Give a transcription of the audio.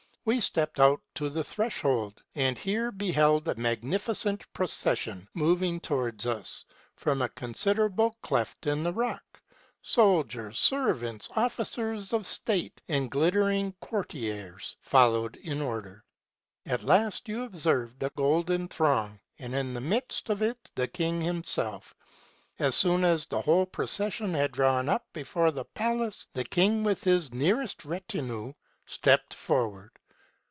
We stepped out to the threshold, and here beheld a magnificent procession moving towards us from a considerable cleft in the rock. Soldiers, sen ants, officers of state, and glittering courtiers, followed in order. At last you observed a golden throng, and in the midst of it the king himself. So soon as the whole procession had drawn up before the palace, the king, with his nearest retinue, stepped forward.